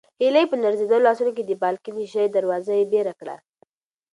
هیلې په لړزېدلو لاسونو د بالکن شیشه یي دروازه بېره کړه.